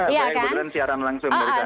iya saya beneran siaran langsung dari sana